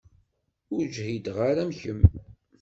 Ur ǧhideɣ ara am kemm.